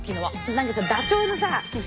何かダチョウのさ。